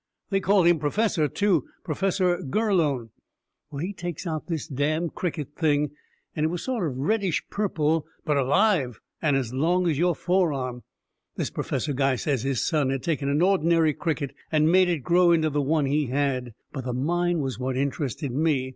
They called him Professor, too, Professor Gurlone. Well, he takes out this damn cricket thing and it was sort of reddish purple but alive, and as long as your forearm. This professor guy says his son had taken an ordinary cricket and made it grow into the one he had. But the mine was what interested me.